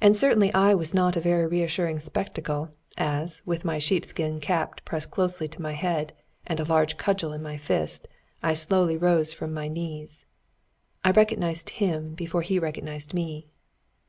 And certainly I was not a very reassuring spectacle, as, with my sheepskin cap pressed closely to my head, and a large cudgel in my fist, I slowly rose from my knees. I recognised him before he recognised me.